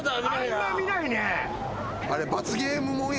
あんま見ないね。